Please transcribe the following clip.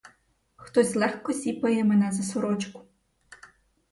Хтось легко сіпає мене за сорочку.